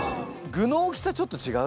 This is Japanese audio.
具の大きさちょっと違う？